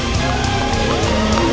tiga dua satu